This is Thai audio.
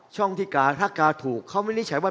ช่องที่กาถ้ากาถูกเขาวินิจฉัยว่า